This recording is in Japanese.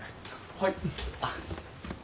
はい！